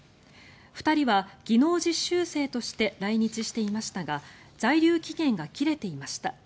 ２人は技能実習生として来日していましたが在留期限が切れていました。